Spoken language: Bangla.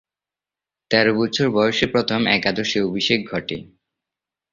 তেরো বছর বয়সে প্রথম একাদশে অভিষেক ঘটে তার।